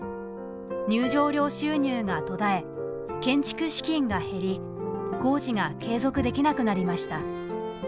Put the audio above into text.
入場料収入が途絶え建築資金が減り工事が継続できなくなりました。